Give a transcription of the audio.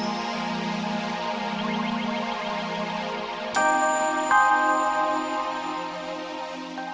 oke pacarnya memperbaiki semua dia